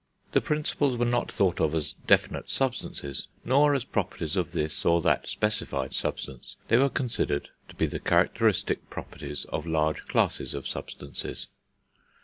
The Principles were not thought of as definite substances, nor as properties of this or that specified substance; they were considered to be the characteristic properties of large classes of substances.